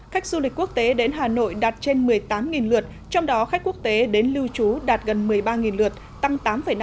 khách du lịch quốc tế đến hà nội đạt trên một mươi tám lượt trong đó khách quốc tế đến lưu trú đạt gần một mươi ba lượt tăng tám năm